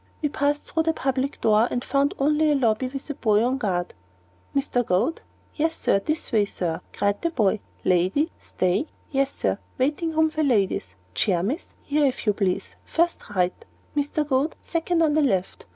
We passed through the public door, and found only a lobby, with a boy on guard. "Mr. Goad? Yes, Sir. This way, Sir," cried the boy. "Lady stay? Yes, Sir; waiting room for ladies. Chair, miss; here, if you please first right. Mr. Goad, second on the left.